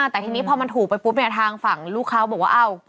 แต่ทีนี้พอมันถูกไปปุ๊บเนี่ยทางฝั่งลูกค้าบอกว่า